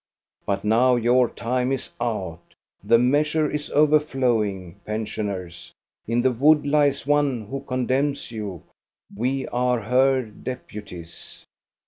But now your time is out, the measore is ofcr flowing, pensioners. In the wood lies one lAo condemns you; we are her deputies.